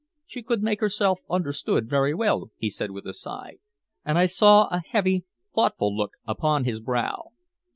"She could make herself understood very well," he said with a sigh, and I saw a heavy, thoughtful look upon his brow.